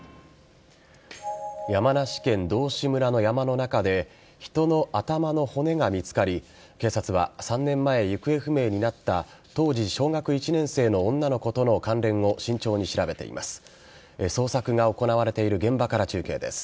山梨県道志村の山の中で人の頭の骨が見つかり警察は３年前、行方不明になった当時小学１年生の女の子との関連を慎重に調べています。